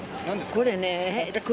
これね。